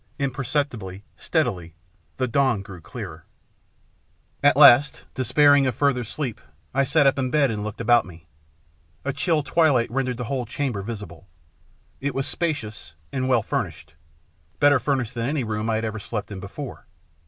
Imperceptibly, steadily, the dawn grew clearer. 64 THE PLATTNER STORY AND OTHERS At last, despairing of further sleep, I sat up in bed and looked about me. A chill twilight rendered the whole chamber visible. It was spacious and well furnished, better furnished than any room I had ever slept in before.